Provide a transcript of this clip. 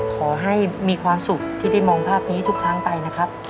ขอให้มีความสุขที่ได้มองภาพนี้ทุกครั้งไปนะครับ